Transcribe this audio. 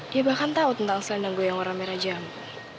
dia bahkan tahu tentang selendang gue yang warna merah jambu